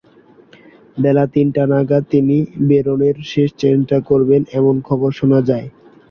বেলা তিনটা নাগাদ তিনি বেরোনোর শেষ চেষ্টা করবেন এমন খবর শোনা যায়।